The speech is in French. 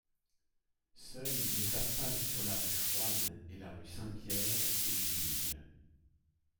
Seule les façades sur la rue Froide et la rue Saint-Pierre étaient visibles.